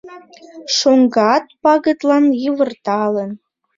Шоҥгат, пагытлан йывырталын